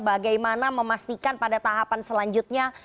bagaimana memastikan pada tahapan selanjutnya